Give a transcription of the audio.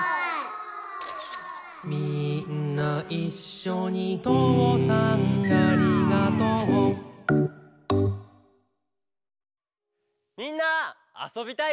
「みーんないっしょにとうさんありがとう」「みんなあそびたい？」